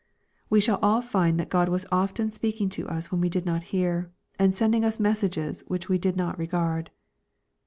We shall all find that God was often speaking to us when we did not hear, and sending us messages which we did not regard.